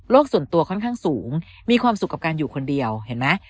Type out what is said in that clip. ส่วนตัวค่อนข้างสูงมีความสุขกับการอยู่คนเดียวเห็นไหม